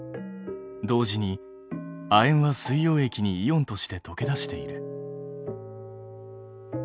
同時に亜鉛は水溶液にイオンとして溶け出している。